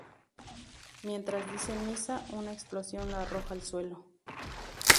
Mientras dice misa, una explosión lo arroja al suelo.